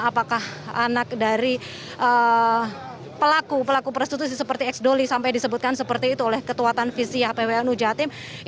apakah anak dari pelaku pelaku prostitusi seperti exdoli sampai disebutkan seperti itu oleh ketua tanfiziah pwnu jawa timur